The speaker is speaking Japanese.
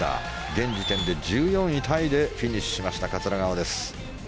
現時点で１４位タイでフィニッシュしました桂川です。